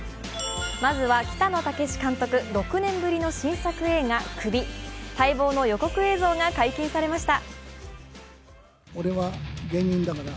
まずは北野武監督６年ぶりの新作映画「首」待望の予告映像が解禁されました。